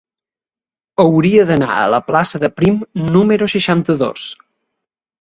Hauria d'anar a la plaça de Prim número seixanta-dos.